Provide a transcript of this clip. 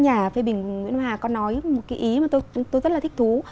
nhà phê bình nguyễn đông hà có nói một cái ý mà tôi rất là thích thú